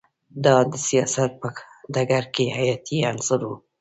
دا د سیاست په ډګر کې حیاتی عنصر و